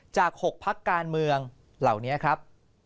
จาก๖พักการเมืองเหล่านี้ครับ